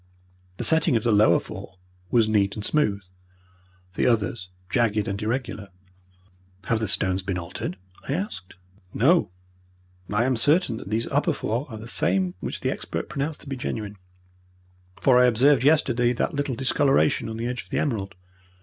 The setting of the lower four was neat and smooth. The others jagged and irregular. "Have the stones been altered?" I asked. "No, I am certain that these upper four are the same which the expert pronounced to be genuine, for I observed yesterday that little discoloration on the edge of the emerald.